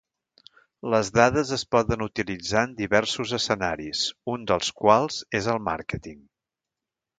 Les dades es poden utilitzar en diversos escenaris, un dels quals és el màrqueting.